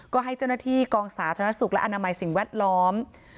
ก็ให้เจ้าหน้าที่กองสาธารณสุขและอนามัยสิ่งแวดล้อม